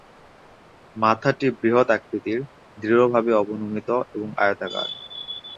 মাথাটি বৃহৎ আকৃতির, দৃঢ়ভাবে অবনমিত এবং আয়তাকার।